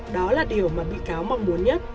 đó là điều mà bị cáo mong muốn nhất